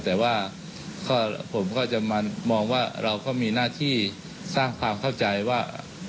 แต่ว่าผมก็จะมามองว่าเราก็มีหน้าที่สร้างความเข้าใจว่า